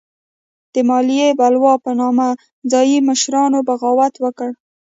د مالیې بلوا په نامه ځايي مشرانو بغاوت وکړ.